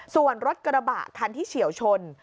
ส่วนรถกระบะคันที่เฉียวชน